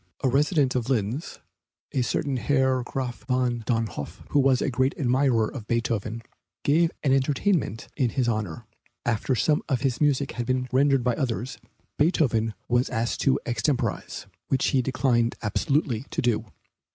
A resident of Linz, a certain Herr Graf von Dönhoff, who was a great admirer of Beethoven, gave an entertainment in his honor. After some of his music had been rendered by others, Beethoven was asked to extemporize, which he declined absolutely to do.